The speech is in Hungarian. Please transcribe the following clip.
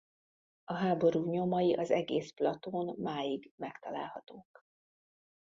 A háború nyomai az egész platón máig megtalálhatók.